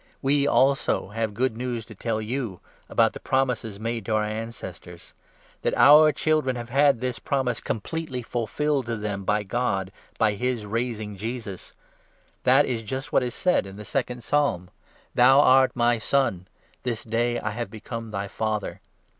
We also have good news to tell you, 32 about the promise made to our ancestors — that our children 33 have had this promise completely fulfilled to them by God, by his raising Jesus. That is just what is said in the second Psalm— ' Thou art my Son ; this day I have become thy Father.'